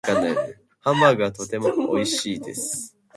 ハンバーグはとても美味しいです。